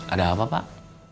ada apa pak